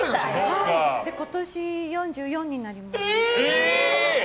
今年、４４になります。